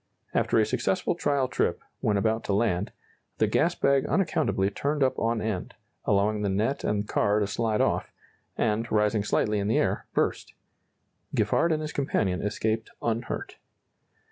After a successful trial trip, when about to land, the gas bag unaccountably turned up on end, allowing the net and car to slide off, and, rising slightly in the air, burst. Giffard and his companion escaped unhurt.